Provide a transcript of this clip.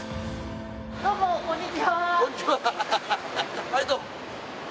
どうも、こんにちは。